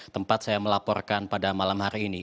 tempat saya melaporkan pada malam hari ini